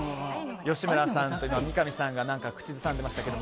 吉村さんと三上さんが何か口ずさんでいましたが。